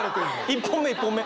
１本目１本目！